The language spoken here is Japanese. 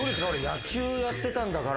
野球やってたんだから。